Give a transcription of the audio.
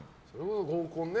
合コンね。